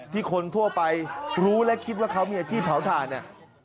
คนทั่วไปรู้และคิดว่าเขามีอาชีพเผาถ่านเนี่ย